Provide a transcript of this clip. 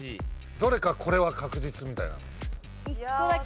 どれかこれは確実みたいなの。